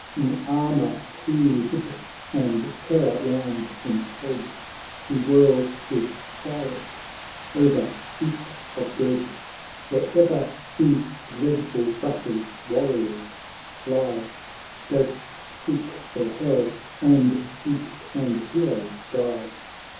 In armour sheathed, and terror round him spread. He whirls his chariot over heaps of dead ; Where'er he dreadful rushes, warriors fly, Ghosts seek their hell, and chiefs and heroes die.